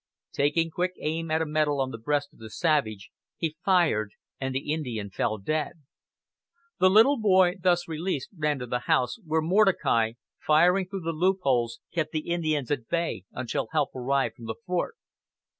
Taking quick aim at a medal on the breast of the savage, he fired, and the Indian fell dead. The little boy, thus released, ran to the house, where Mordecai, firing through the loopholes, kept the Indians at bay until help arrived from the fort.